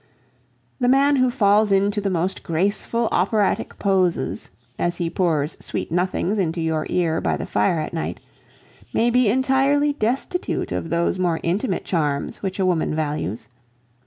The man who falls into the most graceful operatic poses, as he pours sweet nothings into your ear by the fire at night, may be entirely destitute of those more intimate charms which a woman values.